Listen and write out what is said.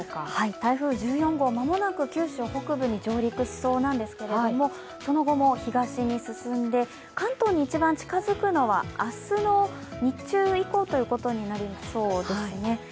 台風１４号、間もなく九州北部に上陸しそうなんですけれども、その後も東に進んで、関東に一番近づくのは明日の日中以降ということになりそうですね。